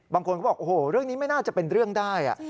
บางคนก็บอกโอ้โหเรื่องนี้ไม่น่าจะเป็นเรื่องได้